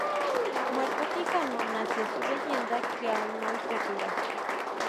Muerto Quijano, nacía su leyenda que aún hoy perdura.